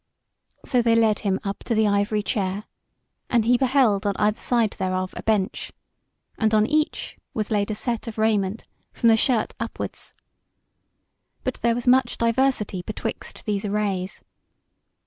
So they led him up to the ivory chair, and he beheld on either side thereof a bench, and on each was laid a set of raiment from the shirt upwards; but there was much diversity betwixt these arrays.